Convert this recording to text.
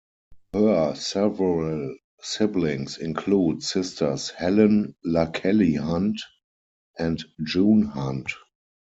Her several siblings include sisters Helen LaKelly Hunt and June Hunt.